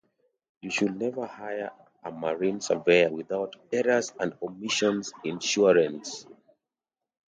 You should never hire a marine surveyor without errors and omissions insurance.